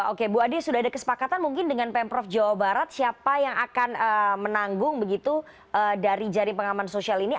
oke bu ade sudah ada kesepakatan mungkin dengan pemprov jawa barat siapa yang akan menanggung begitu dari jaring pengaman sosial ini